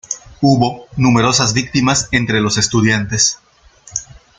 Hubo numerosas víctimas entre los estudiantes.